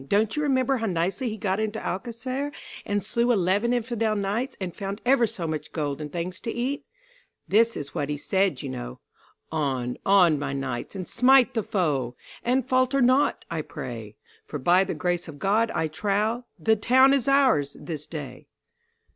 Don't you remember how nicely he got into Alcacer and slew eleven Infidel knights, and found ever so much gold and things to eat? This is what he said, you know: "'On, on, my knights, and smite the foe! And falter not, I pray; For by the grace of God, I trow, The town is ours this day!